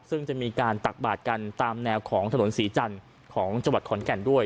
ซึ่งจะมีการตักบาดกันตามแนวของถนนศรีจันทร์ของจังหวัดขอนแก่นด้วย